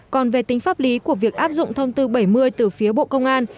còn về tính pháp lý của việc áp dụng thông tư bảy mươi từ phía bộ công an